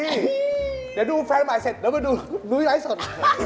เดี๋ยวดูแฟนใหม่เสร็จก็ดูนุ้ยหลายส่วน